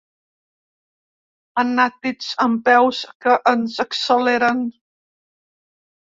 Anàtids amb peus que ens acceleren.